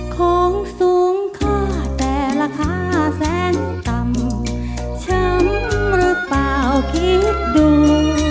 ของสูงค่าแต่ราคาแสนต่ำช้ำหรือเปล่าคิดดู